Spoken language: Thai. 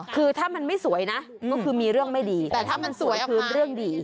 คือถ้ามันไม่สวยนะก็คือมีเรื่องไม่ดีแต่ถ้ามันสวยคือเรื่องดี